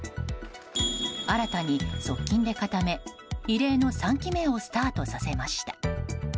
新たに側近で固め、異例の３期目をスタートさせました。